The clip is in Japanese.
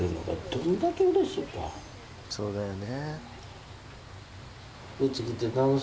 そうだよね。